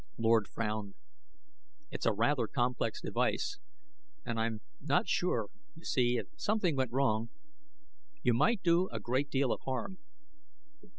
Lord frowned. "It's a rather complex device, and I'm not sure you see, if something went wrong, you might do a great deal of harm."